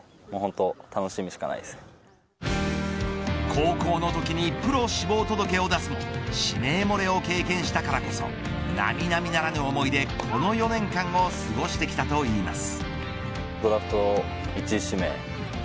高校のときにプロ志望届を出すも指名漏れを経験したからこそ並々ならぬ思いでこの４年間を過ごしてきたといいます。